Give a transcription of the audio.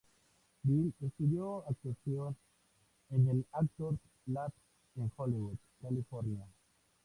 Bill estudió actuación en el Actors Lab en Hollywood, California.